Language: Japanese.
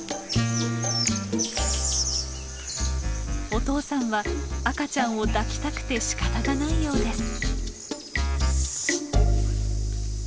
お父さんは赤ちゃんを抱きたくてしかたがないようです。